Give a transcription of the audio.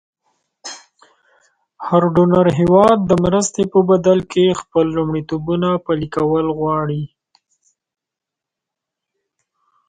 هر ډونر هېواد د مرستې په بدل کې خپل لومړیتوبونه پلې کول غواړي.